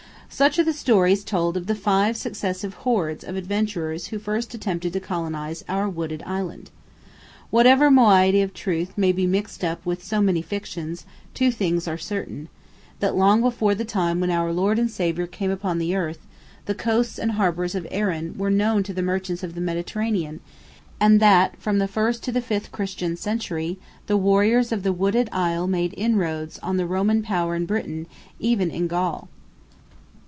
Such are the stories told of the five successive hordes of adventurers who first attempted to colonize our wooded Island. Whatever moiety of truth may be mixed up with so many fictions, two things are certain, that long before the time when our Lord and Saviour came upon earth, the coasts and harbours of Erin were known to the merchants of the Mediterranean, and that from the first to the fifth Christian century, the warriors of the wooded Isle made inroads on the Roman power in Britain and even in Gaul.